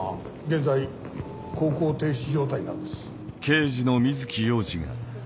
現在航行停止状態なんです。